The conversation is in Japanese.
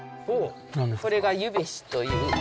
これがゆべしという。